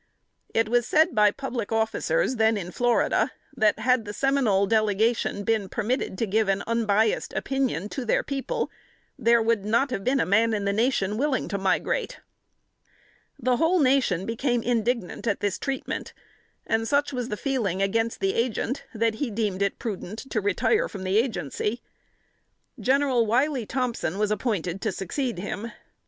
It was said by public officers, then in Florida, that had the Seminole delegation been permitted to give an unbiased opinion to their people, there would not have been a man in the Nation willing to migrate. The whole Nation became indignant at this treatment, and such was the feeling against the agent that he deemed it prudent to retire from the agency. General Wiley Thompson was appointed to succeed him.